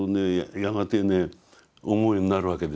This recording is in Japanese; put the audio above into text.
やがてね思うようになるわけですよ。